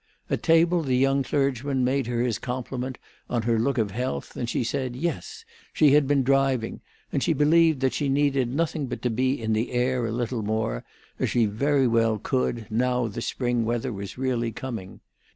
At table the young clergyman made her his compliment on her look of health, and she said, Yes; she had been driving, and she believed that she needed nothing but to be in the air a little more, as she very well could, now the spring weather was really coming.